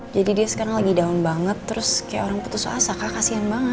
jadi dia sekarang lagi down banget terus kayak orang putus asa kak kasihan banget